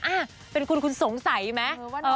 อ่ะเป็นคุณคุณสงสัยไหม